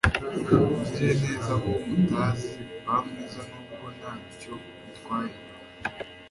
mugirire neza abo mutazi. ba mwiza nubwo ntacyo bitwaye